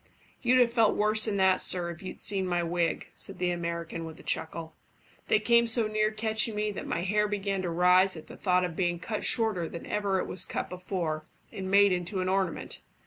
"You'd have felt worse than that, sir, if you'd seen my wig," said the American, with a chuckle. "They came so near catching me that my hair began to rise at the thought of being cut shorter than ever it was cut before, and made into an ornament.